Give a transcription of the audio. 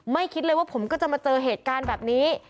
คิดเลยว่าผมก็จะมาเจอเหตุการณ์แบบนี้